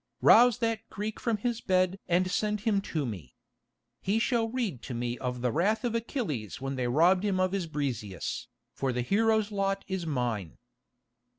Rouse that Greek from his bed and send him to me. He shall read to me of the wrath of Achilles when they robbed him of his Briseis, for the hero's lot is mine."